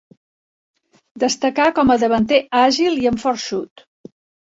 Destacà com a davanter àgil i amb fort xut.